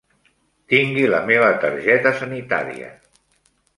Tingui la meva targeta sanitària.